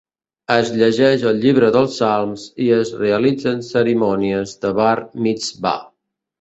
Es llegeix el llibre dels Salms i es realitzen cerimònies de Bar Mitsvà.